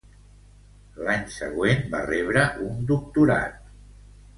L'any següent, va rebre un doctorat.